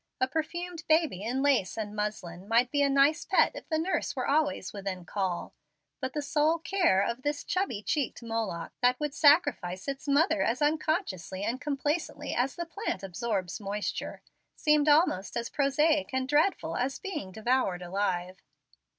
A perfumed baby, in lace and muslin, might be a nice pet if the nurse were always within call; but the sole care of this chubby cheeked Moloch, that would sacrifice its mother as unconsciously and complacently as the plant absorbs moisture, seemed almost as prosaic and dreadful as being devoured alive.